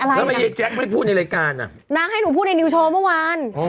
แล้วทำไมยายแจ๊คไม่พูดในรายการอ่ะนางให้หนูพูดในนิวโชว์เมื่อวาน